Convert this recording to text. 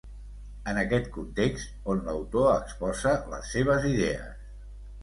És en aquest context on l'autor exposa les seves idees.